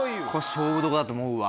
勝負どこだと思うわ。